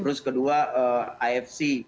terus kedua afc